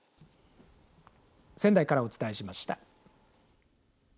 仙台からお伝えしました。